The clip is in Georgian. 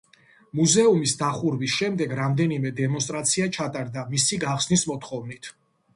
მუზეუმის დახურვის შემდეგ რამდენიმე დემონსტრაცია ჩატარდა მისი გახსნის მოთხოვნით.